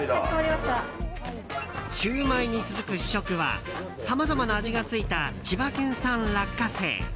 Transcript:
シューマイに続く試食はさまざまな味がついた千葉県産落花生。